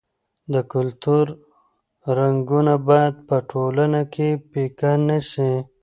د کلتور رنګونه باید په ټولنه کې پیکه نه سي.